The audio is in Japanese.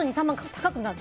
高くなる。